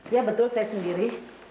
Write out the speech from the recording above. ya betul saya sendiri